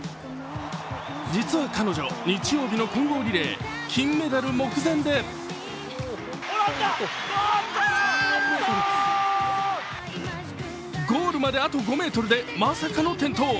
実は彼女、日曜日の混合リレー、金メダル目前でゴールまであと５ｍでまさかの転倒。